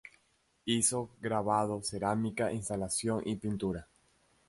Hizo grabado, cerámica, instalación y pintura.